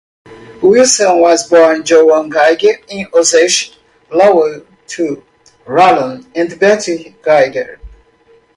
Wilson was born JoAnn Geiger in Osage, Iowa to Harlan and Betty Geiger.